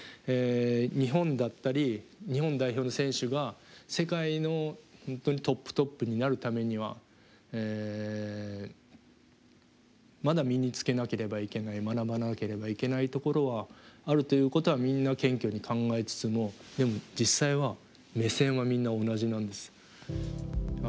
日本だったり日本代表の選手が世界の本当にトップトップになるためにはまだ身につけなければいけない学ばなければいけないところはあるということはみんな謙虚に考えつつもでも実際は目線はみんな同じなんです。